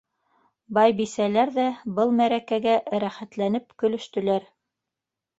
Байбисәләр ҙә был мәрәкәгә рәхәтләнеп көлөштөләр.